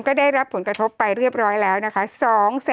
โทษทีน้องโทษทีน้อง